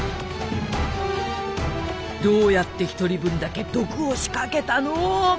どうやって１人分だけ毒を仕掛けたの？